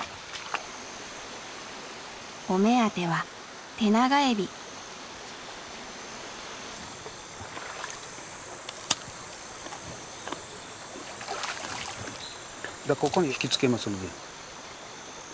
お目当てはここに引き付けますんで。